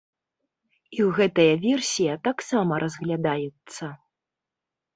І гэтая версія таксама разглядаецца.